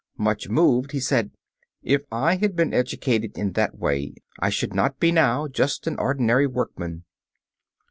Much moved, he said, "If I had been educated in that way I should not be now just an ordinary workman."